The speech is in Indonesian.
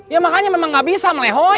ya makanya memang gak bisa melehoy